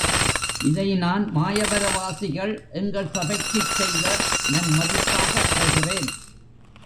இதை நான் மாயவரவாசிகள் எங்கள் சபைக்குச் செய்த நன் மதிப்பாகக் கொள்கிறேன்.